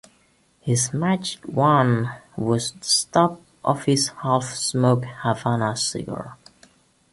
His magic wand was the stub of his half-smoked Havana cigar.